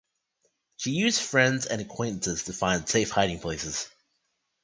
She used friends and acquaintances to find safe hiding places.